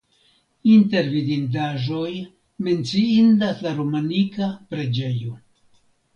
Inter vidindaĵoj menciindas la romanika preĝejo.